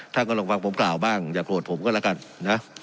ท่านก็ลองฟังผมกล่าวบ้างอย่าโกรธผมก็แล้วกันนะ